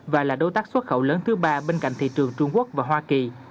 và là đối tác xuất khẩu lớn thứ ba bên cạnh thị trường trung quốc và hoa kỳ